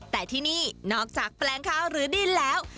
แต่ที่นี่นอกจากแปลงข้าวหรือดินแล้ว